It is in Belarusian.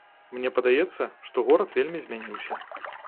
Мне падаецца, што горад вельмі змяніўся.